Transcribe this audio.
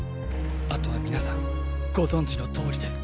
あとは皆さんご存じの通りです。